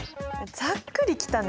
ざっくり来たね。